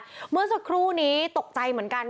แต่ว่าไม่สามารถผ่านเข้าไปที่บริเวณถนน